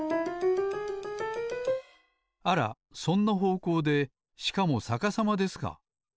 あらそんなほうこうでしかもさかさまですか。